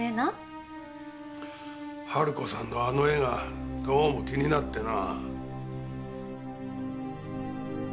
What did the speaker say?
春子さんのあの絵がどうも気になってな。